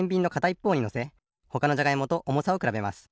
いっぽうにのせほかのじゃがいもとおもさをくらべます。